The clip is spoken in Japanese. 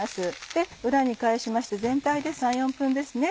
で裏に返しまして全体で３４分ですね。